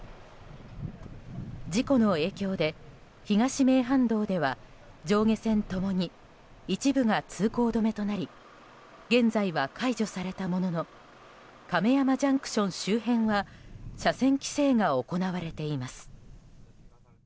事故の影響で東名阪道では上下線ともに一部が通行止めとなり現在は解除されたものの亀山ＪＣＴ周辺は車線規制が行われています。